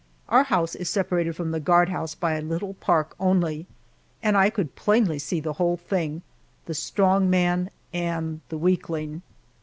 Our house is separated from the guardhouse by a little park only, and I could plainly see the whole thing the strong man and the weakling.